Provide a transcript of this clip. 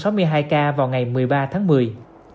hãy đăng ký kênh để ủng hộ kênh của mình nhé